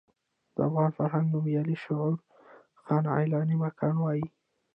د افغان فرهنګ نومیالی شعور خان علين مکان وايي.